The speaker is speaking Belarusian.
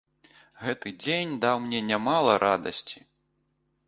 Гэты дзень даў мне нямала радасці.